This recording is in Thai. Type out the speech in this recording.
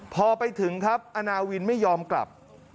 พอไปถึงครับอาณาวินไม่ยอมกลับ